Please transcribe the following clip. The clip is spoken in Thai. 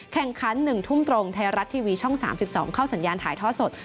แข่งขัน๑ทุ่มตรงไทยรัฐทีวีช่อง๓๒เข้าสัญญาณถ่ายทอดสด